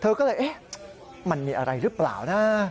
เธอก็เลยเอ๊ะมันมีอะไรหรือเปล่านะ